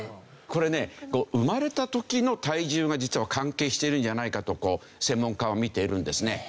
これね生まれた時の体重が実は関係しているんじゃないかとこう専門家はみているんですね。